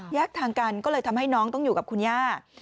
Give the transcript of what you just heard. แยกทางกันก็เลยทำให้น้องต้องอยู่กับคุณย่า